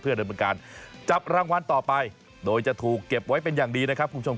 เพื่อดับประกาศจับรางวัลต่อไปโดยจะถูกเก็บไว้เป็นอย่างดีนะครับคุณผู้ชมครับ